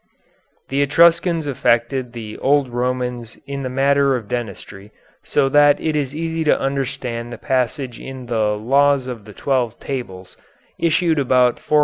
The Etruscans affected the old Romans in the matter of dentistry, so that it is easy to understand the passage in the "Laws of the Twelve Tables," issued about 450 B.